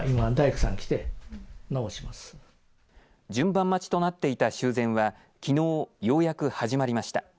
順番待ちとなっていた修繕はきのう、ようやく始まりました。